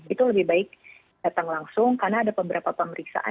itu lebih baik datang langsung karena ada beberapa pemeriksaan